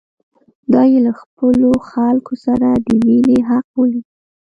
دا یې له خپلو خلکو سره د مینې حق بولي.